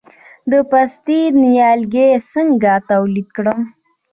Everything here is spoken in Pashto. د پستې نیالګي څنګه تولید کړم؟